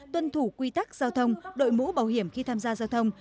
tuân thủ quy tắc giao thông đội mũ bảo hiểm khi tham gia giao thông